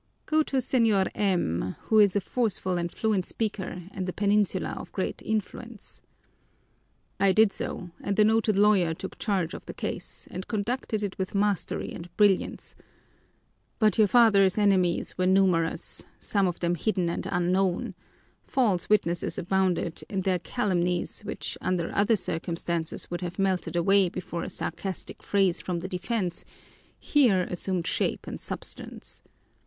Go to Señor M , who is a forceful and fluent speaker and a Peninsular of great influence.' I did so, and the noted lawyer took charge of the case, and conducted it with mastery and brilliance. But your father's enemies were numerous, some of them hidden and unknown. False witnesses abounded, and their calumnies, which under other circumstances would have melted away before a sarcastic phrase from the defense, here assumed shape and substance.